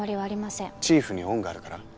チーフに恩があるから？